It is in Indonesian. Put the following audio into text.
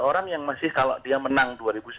orang yang masih kalau dia menang dua ribu sembilan belas